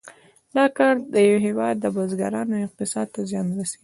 دا کار د یو هېواد بزګرانو او اقتصاد ته زیان رسیږي.